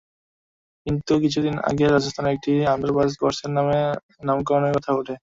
কিন্তু কিছুদিন আগে রাজস্থানের একটি আন্ডারপাস গডসের নামে নামকরণের কথা ওঠে।